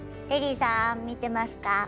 テリーさん見てますか？